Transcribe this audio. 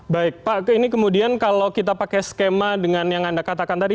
baik pak ini kemudian kalau kita pakai skema dengan yang anda katakan tadi